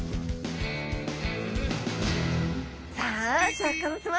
さあシャーク香音さま